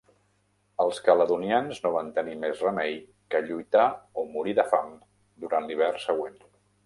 Els caledonians no van tenir més remei que lluitar o morir de fam durant l'hivern següent.